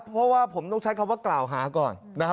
เพราะว่าผมต้องใช้คำว่ากล่าวหาก่อนนะครับ